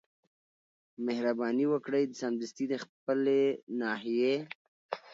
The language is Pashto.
مهرباني وکړئ سمدستي د خپلي ناحيې